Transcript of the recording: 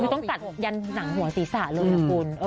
มีต้องกัดยันหนังหัวสีสาเลยนะคุณ